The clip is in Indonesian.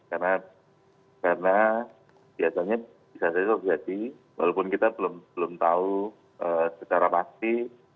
karena biasanya bisa terjadi walaupun kita belum tahu secara pasti